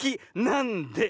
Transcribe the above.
なんで？